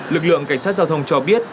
lực lượng cảnh sát giao thông cho biết